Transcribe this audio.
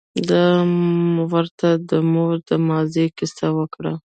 ما ورته د مور د مريضۍ کيسه وکړه.